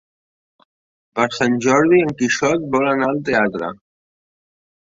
Per Sant Jordi en Quixot vol anar al teatre.